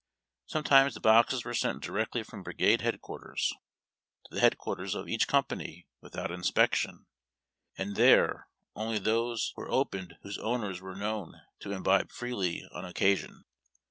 Some times the boxes were sent directly from brigade headquar ■Amb A WAGON LOAU OF ISOXES. ters to the headquarters of each company without inspection, and there only those were opened whose owners were known to imbibe freely on occasion.